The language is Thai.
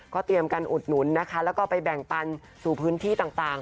เตรียมการอุดหนุนนะคะแล้วก็ไปแบ่งปันสู่พื้นที่ต่าง